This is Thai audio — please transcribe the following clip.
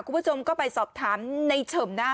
คุณผู้ชมก็ไปสอบถามในเฉิมนะ